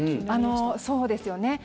そうですよね。